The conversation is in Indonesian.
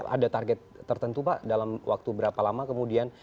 ada target tertentu pak dalam waktu berapa lama kemudian